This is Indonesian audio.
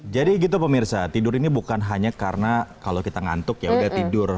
jadi gitu pemirsa tidur ini bukan hanya karena kalau kita ngantuk ya sudah tidur